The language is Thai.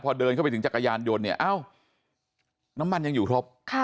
พอเดินเข้าไปถึงจักรยานยนต์เนี่ยเอ้าน้ำมันยังอยู่ครบ